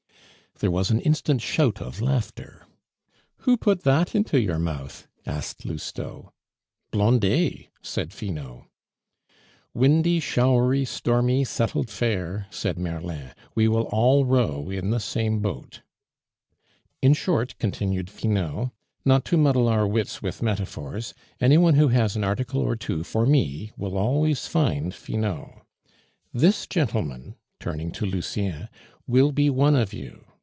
There was an instant shout of laughter. "Who put that into your mouth?" asked Lousteau. "Blondet!" said Finot. "Windy, showery, stormy, settled fair," said Merlin; "we will all row in the same boat." "In short," continued Finot, "not to muddle our wits with metaphors, any one who has an article or two for me will always find Finot. This gentleman," turning to Lucien, "will be one of you.